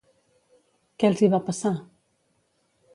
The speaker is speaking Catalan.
Què els hi va passar?